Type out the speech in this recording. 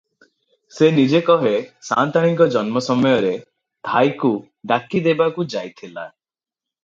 ସେ ନିଜେ କହେ ସାଆନ୍ତାଣୀଙ୍କ ଜନ୍ମସମୟରେ ଧାଈକୁ ଡାକିଦେବାକୁ ଯାଇଥିଲା ।